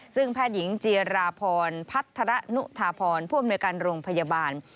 ซึ่งแพทย์หญิงเจราพรพัฒระนุธาพรผู้อำนวยการโรงพยาบาล